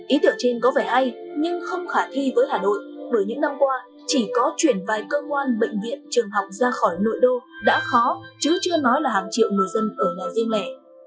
ý tưởng trên có vẻ hay nhưng không khả thi với hà nội bởi những năm qua chỉ có chuyển vài cơ quan bệnh viện trường học ra khỏi nội đô đã khó chứ chưa nói là hàng triệu người dân ở nhà riêng lẻ